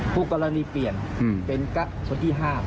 ผู้กรณีเปลี่ยนเป็นก็คนที่ห้าม